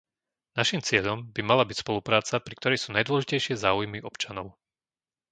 Naším cieľom by mala byť spolupráca, pri ktorej sú najdôležitejšie záujmy občanov.